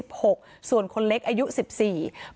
เพราะไม่เคยถามลูกสาวนะว่าไปทำธุรกิจแบบไหนอะไรยังไง